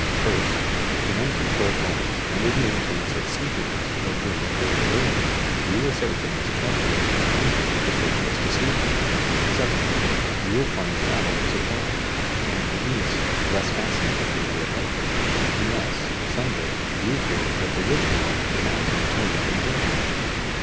First, in uncontrolled moments, under the influence of sleepiness or drink or delirium, you will say things calculated to injure the faithless deceiver. Secondly, you will find travel disappointing, and the East less fascinating than you had hoped unless, some day, you hear that the wicked one has in turn been jilted.